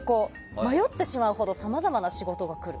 迷ってしまうほどさまざまな仕事が来る。